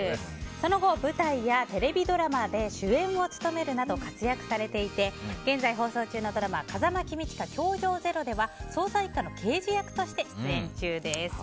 その後、舞台やテレビドラマで主演を務めるなど活躍されていて現在放送中のドラマ「風間公親‐教場０‐」では捜査１課の刑事役として出演中です。